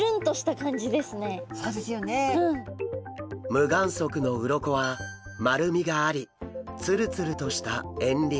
無眼側の鱗は丸みがありツルツルとした円鱗。